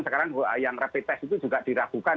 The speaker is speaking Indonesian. sekarang yang rapid test itu juga diragukan